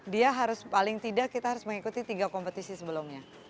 dia harus paling tidak kita harus mengikuti tiga kompetisi sebelumnya